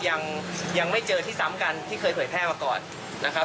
ยังยังไม่เจอที่ซ้ำกันที่เคยเผยแพร่มาก่อนนะครับ